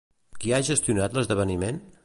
Qui ha gestionat l'esdeveniment?